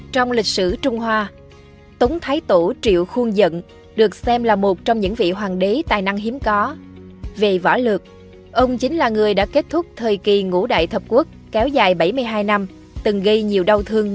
tống thái tổ triệu khuôn dận